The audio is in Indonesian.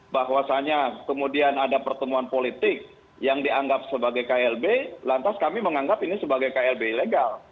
bahwasannya kemudian ada pertemuan politik yang dianggap sebagai klb lantas kami menganggap ini sebagai klb ilegal